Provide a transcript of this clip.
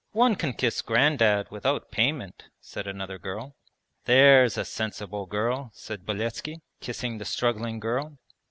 'One can kiss Grandad without payment,' said another girl. 'There's a sensible girl,' said Beletski, kissing the struggling girl.